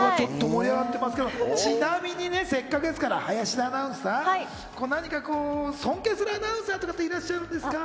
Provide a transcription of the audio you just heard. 盛り上がってますけど、ちなみにね、せっかくですから、林田アナウンサー、尊敬するアナウンサーはいらっしゃいますか？